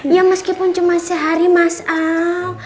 ya meskipun cuma sehari mas al